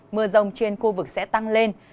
mưa rông trên khu vực sẽ tăng lên